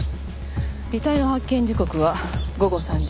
遺体の発見時刻は午後３時。